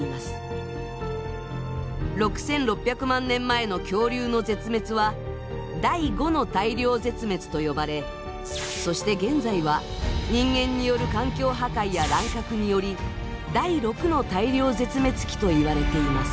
６，６００万年前の恐竜の絶滅は「第５の大量絶滅」と呼ばれそして現在は人間による環境破壊や乱獲により第６の大量絶滅期といわれています。